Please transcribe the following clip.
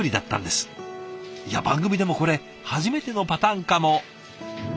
いや番組でもこれ初めてのパターンかも。